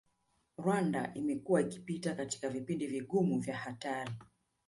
Rwanda imekuwa ikipita katika vipindi vigumu na vya hatari